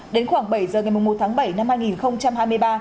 đến khoảng bảy giờ ngày một mươi một tháng bảy năm hai nghìn hai mươi ba